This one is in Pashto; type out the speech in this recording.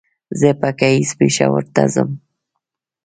زه به ګهيځ پېښور ته ځم